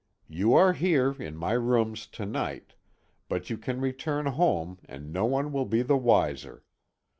You are here, in my rooms to night but you can return home and no one will be the wiser.